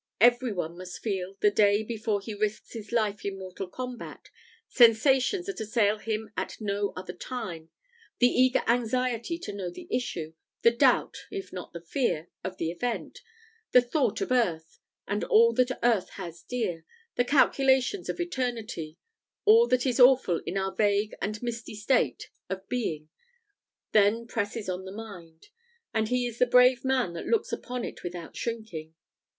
Every one must feel, the day before he risks his life in mortal combat, sensations that assail him at no other time the eager anxiety to know the issue the doubt, if not the fear, of the event the thought of earth, and all that earth has dear the calculations of eternity all that is awful in our vague and misty state of being then presses on the mind: and he is the brave man that looks upon it without shrinking.